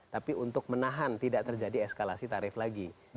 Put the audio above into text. tapi untuk menahan tidak terjadi eskalasi tarif lagi